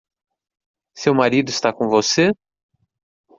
Seu marido está com você?